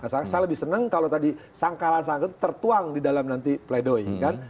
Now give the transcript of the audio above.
saya lebih senang kalau tadi sangkalan sangkalan tertuang di dalam nanti play doh ini kan